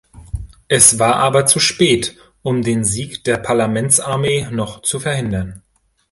Es war aber zu spät, um den Sieg der Parlamentsarmee noch zu verhindern.